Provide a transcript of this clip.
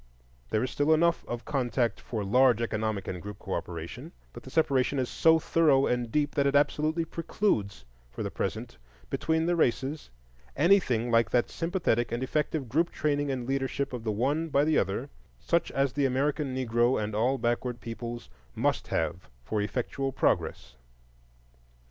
There is still enough of contact for large economic and group cooperation, but the separation is so thorough and deep that it absolutely precludes for the present between the races anything like that sympathetic and effective group training and leadership of the one by the other, such as the American Negro and all backward peoples must have for effectual progress.